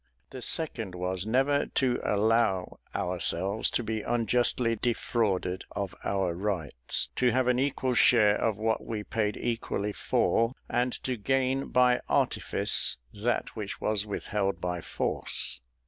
The second was, never to allow ourselves to be unjustly defrauded of our rights; to have an equal share of what we paid equally for; and to gain by artifice that which was withheld by force.